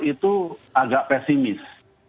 saya itu agak pesimis